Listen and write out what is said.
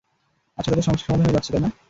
আচ্ছা, তাতে সমস্যা সমাধান হয়ে যাচ্ছে, তাই না?